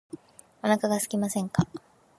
お腹がすきませんか